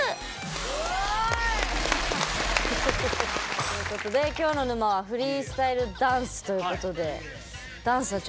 おおい！ということで今日の沼は「フリースタイルダンス」ということで。